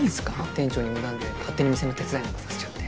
店長に無断で勝手に店の手伝いなんかさせちゃって。